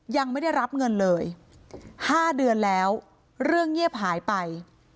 ยังไม่ได้รับเงินเลย๕เดือนแล้วเรื่องเงียบหายไป